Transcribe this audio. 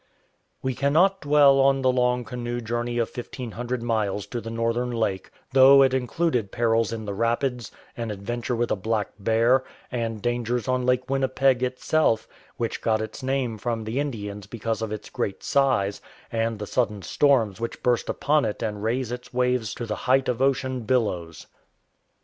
We cannot dwell on the long canoe journey of 1500 miles to the northern lake, though it included perils in the rapids, an adventure with a black bear, and dangers on Lake Winnipeg itself, which got its name from the Indians because of its great size, and the sudden storms which burst upon it and raise its waves to the height of ocean billows.